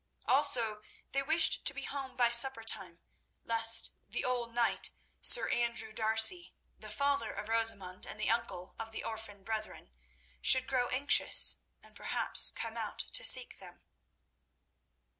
Also they wished to be at home by supper time, lest the old knight, Sir Andrew D'Arcy, the father of Rosamund and the uncle of the orphan brethren, should grow anxious, and perhaps come out to seek them.